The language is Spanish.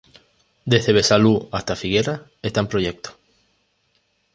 Desde Besalú hasta Figueras está en proyecto.